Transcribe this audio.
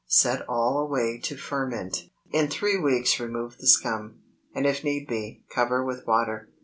Set all away to ferment. In three weeks remove the scum, and if need be, cover with water.